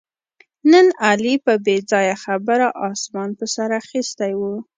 نن علي په بې ځایه خبره اسمان په سر اخیستی و